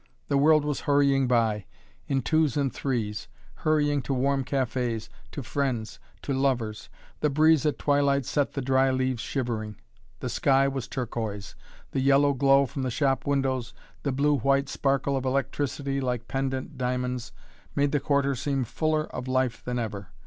The world was hurrying by in twos and threes hurrying to warm cafés, to friends, to lovers. The breeze at twilight set the dry leaves shivering. The sky was turquoise. The yellow glow from the shop windows the blue white sparkle of electricity like pendant diamonds made the Quarter seem fuller of life than ever.